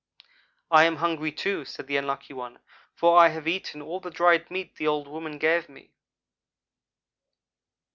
"'I am hungry, too,' said the Unlucky one, 'for I have eaten all the dried meat the old woman gave me.'